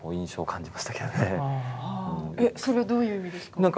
それはどういう意味ですか？